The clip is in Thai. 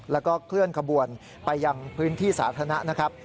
แล้วก็เคลื่อนขบวนไปยังพื้นที่สาธารณะนะครับ